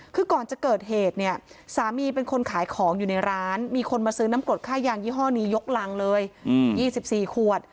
คือก่อนจะเกิดเหตุเนี่ยสามีเป็นคนขายของอยู่ในร้านมีคนมาซื้อน้ำกรดค่ายางยี่ห้อนี้ยกรังเลย๒๔ขวด